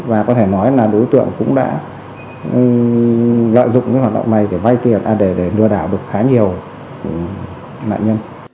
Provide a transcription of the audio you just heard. và có thể nói là đối tượng cũng đã lợi dụng các hoạt động này để lừa đảo được khá nhiều nạn nhân